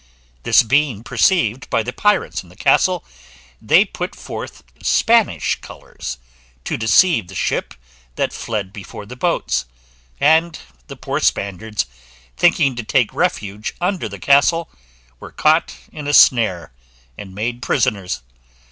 This being perceived by the pirates in the castle, they put forth Spanish colours, to deceive the ship that fled before the boats; and the poor Spaniards, thinking to take refuge under the castle, were caught in a snare, and made prisoners.